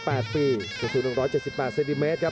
พยายามจะไถ่หน้านี่ครับการต้องเตือนเลยครับ